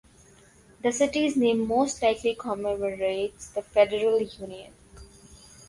The city's name most likely commemorates the federal union.